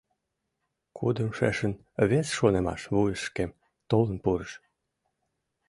Кудымшешын вес шонымаш вуйышкем толын пурыш.